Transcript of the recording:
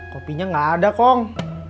kopinya gak ada kong